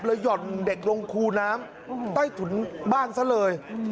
หย่อนเด็กลงคูน้ำใต้ถุนบ้านซะเลย